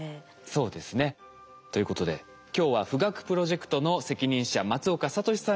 そうですね。ということで今日は富岳プロジェクトの責任者松岡聡さんにお越し頂きました。